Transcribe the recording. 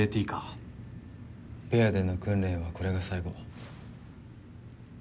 ペアでの訓練はこれが最後。